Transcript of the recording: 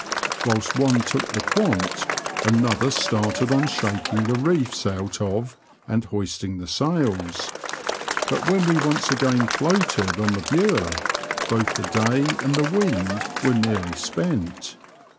Whilst one took the *^ quant," another started on shaking the ree& out of and hoisting the saUs ; but when we once again floated on the Bure, both the day and the wind were nearly spent.